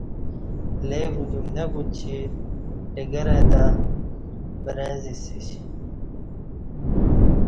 لے کودیوم نہ کوچی ڈگرہ تں برں ازی سیش